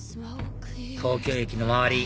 東京駅の周り